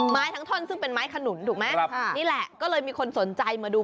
ทั้งท่อนซึ่งเป็นไม้ขนุนถูกไหมนี่แหละก็เลยมีคนสนใจมาดู